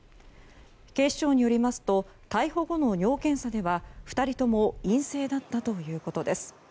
警視庁によりますと逮捕後の尿検査では２人とも陰性だったということです。